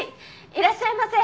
いらっしゃいませ。